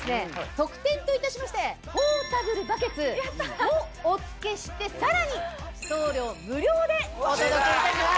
特典といたしましてポータブルバケツもお付けしてさらに送料無料でお届けいたします。